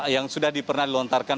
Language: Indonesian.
yang sudah dipernah dilontarkan